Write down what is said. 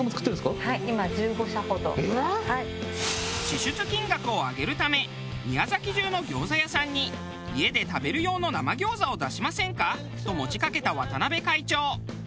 支出金額を上げるため宮崎中の餃子屋さんに「家で食べる用の生餃子を出しませんか？」と持ちかけた渡辺会長。